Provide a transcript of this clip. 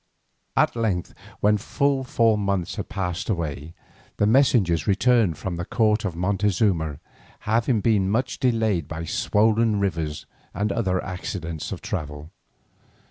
At length, when full four months had passed away, the messengers returned from the court of Montezuma, having been much delayed by swollen rivers and other accidents of travel.